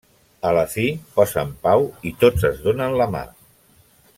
A la fi posen pau i tots es donen la mà.